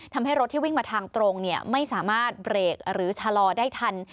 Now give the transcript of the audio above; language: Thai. ทำให้รถที่วิ่งมาทางตรงไม่สามารถเบรกหรือชะลอได้ทัน